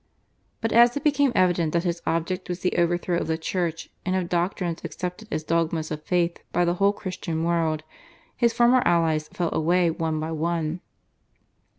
But as it became evident that his object was the overthrow of the Church and of doctrines accepted as dogmas of faith by the whole Christian world, his former allies fell away one by one.